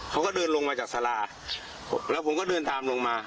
เขาก็เดินลงมาจากสาราแล้วผมก็เดินตามลงมา